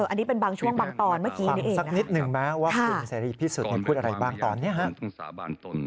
อันนี้เป็นบางช่วงบางตอนเมื่อกี้นี่เองนะฮะ